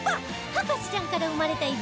『博士ちゃん』から生まれたイベント